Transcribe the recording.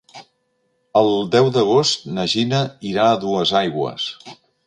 El deu d'agost na Gina irà a Duesaigües.